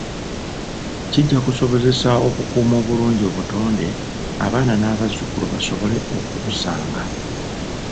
Kijja kusobozesa okukuuma obulungi obutonde abaana n’abazzukulu basobole okubusanga.